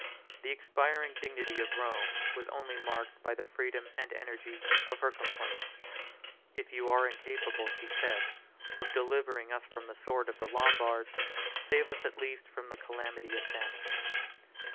The expiring dignity of Rome was only marked by the freedom and energy of her complaints: "If you are incapable," she said, "of delivering us from the sword of the Lombards, save us at least from the calamity of famine."